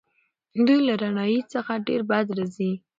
دوی له رڼایي څخه ډېر بد راځي.